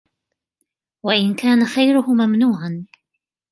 وَإِنْ كَانَ خَيْرُهُ مَمْنُوعًا